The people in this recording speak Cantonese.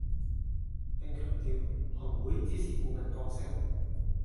並強調行會只係顧問角色